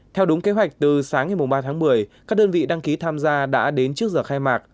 theo đúng kế hoạch từ sáng ngày ba tháng một mươi các đơn vị đăng ký tham gia đã đến trước giờ khai mạc